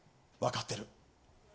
分かってる。